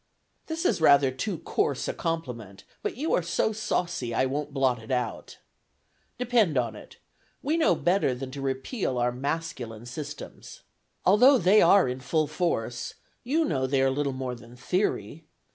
This is rather too coarse a compliment, but you are so saucy, I won't blot it out. Depend upon it, we know better than to repeal our masculine systems. Although they are in full force, you know they are little more than theory.